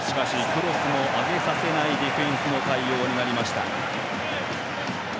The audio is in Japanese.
クロスも上げさせないディフェンスの対応。